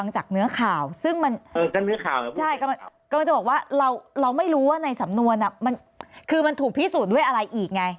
ใช่ก็มันก็จะบอกว่าเราเราไม่รู้ว่าในสำนวนอ่ะมันคือมันถูกพิสูจน์ด้วยอะไรอีกไง